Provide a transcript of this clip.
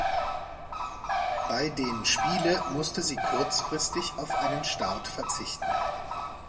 Bei den Spiele musste sie kurzfristig auf einen Start verzichten.